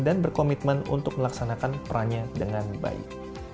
dan berkomitmen untuk melaksanakan perannya dengan baik